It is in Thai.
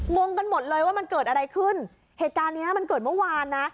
งงกันหมดเลยว่ามันเกิดอะไรขึ้นเหตุการณ์เนี้ยมันเกิดเมื่อวานนะ